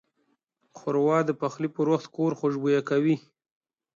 ښوروا د پخلي پر وخت کور خوشبویه کوي.